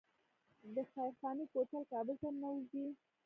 د خیرخانې کوتل کابل ته ننوځي